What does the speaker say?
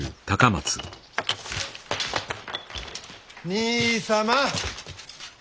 兄様。